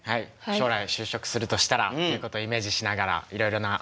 将来就職するとしたらっていうことをイメージしながらいろいろな面接対策してきました。